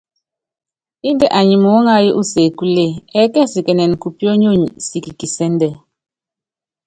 Índɛ anyi muúŋayú usekúle, ɛɛ́kɛsikɛnɛn kupionyonyi siki kisɛ́ndɛ.